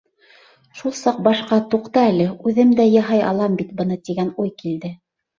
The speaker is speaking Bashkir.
— Шул саҡ башҡа, туҡта әле, үҙем дә яһай алам бит быны, тигән уй килде...